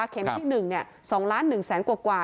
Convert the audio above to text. เข็มที่๑๒๑๐๐๐๐๐กว่า